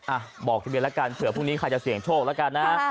อ่ะบอกทะเบียนแล้วกันเผื่อพรุ่งนี้ใครจะเสี่ยงโชคแล้วกันนะ